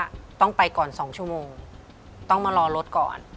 ต้องไปก่อน๒ชั่วโมงต้องมารอรถก่อน